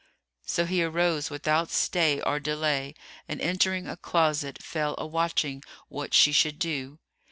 So he arose without stay or delay and entering a closet, fell a watching what she should do.